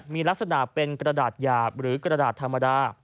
มีลักษณะเป็นกระดาษหยาบหรือกระดาษธรรมดา